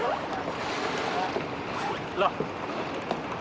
alex siang nggak jalan jalan